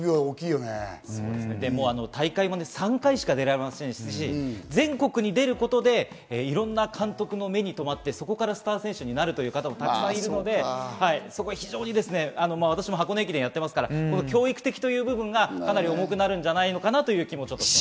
大会も３回しか出られませんし、全国に出ることで、いろんな監督の目にとまって、そこからスター選手になるという方も沢山いるので、非常に私も箱根駅伝やっていますから、「教育的」という部分がかなり重くなるんじゃないのかなという気もします。